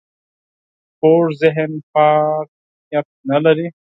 کوږ ذهن پاک نیت نه لري